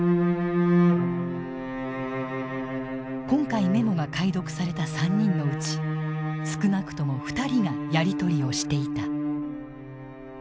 今回メモが解読された３人のうち少なくとも２人がやり取りをしていた。